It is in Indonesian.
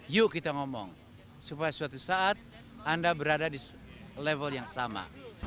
yuk kita ngomong supaya suatu saat anda berada di level yang sama